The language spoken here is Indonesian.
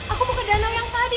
aku mau ke danau yang tadi